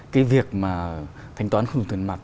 cái việc mà thanh toán không dùng tiền mặt